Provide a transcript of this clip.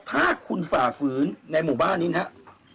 ถ้าคุณฝ่าฝืนในหมู่บ้านนี้นะครับ